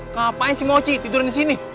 ngapain si mochi tidurin disini